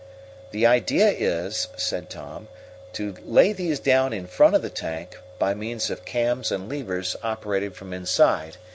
"The idea is," said Tom, "to lay these down in front of the tank, by means of cams and levers operated from inside.